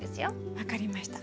分かりました。